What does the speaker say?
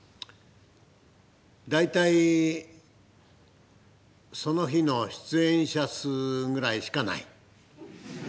大体その日の出演者数ぐらいしかない！